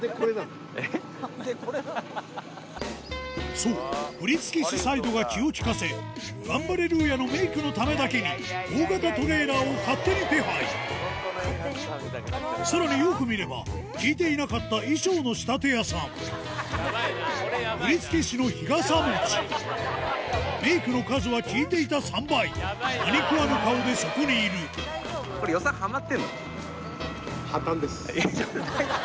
そう振付師サイドが気を利かせガンバレルーヤのメイクのためだけに大型トレーラーを勝手に手配さらによく見れば聞いていなかった振付師のメイクの数は聞いていた３倍何食わぬ顔でそこにいるうわっ！